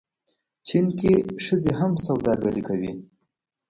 چین کې ښځې هم سوداګري کوي.